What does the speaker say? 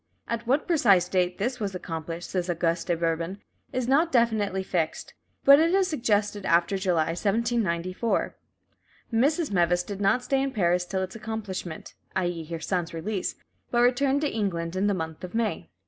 "At what precise date this was accomplished," says "Auguste de Bourbon," "is not definitely fixed, but it is suggested after July 1794. Mrs. Meves did not stay in Paris till its accomplishment (i.e., her son's release), but returned to England in the month of May."